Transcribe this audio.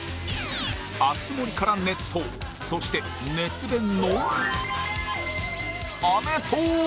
「熱盛」から『熱闘』そして熱弁の